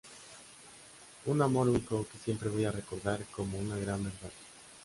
Un amor único que siempre voy a recordar como una gran verdad.